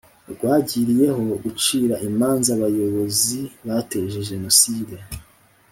rwagiriyeho gucira imanza abayobozi bateje Jenoside